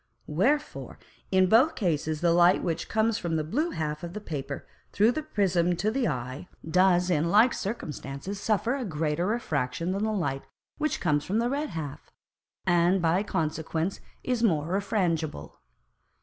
Wherefore in both Cases the Light which comes from the blue half of the Paper through the Prism to the Eye, does in like Circumstances suffer a greater Refraction than the Light which comes from the red half, and by consequence is more refrangible.